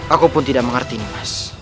aku pun tidak mengerti nih mas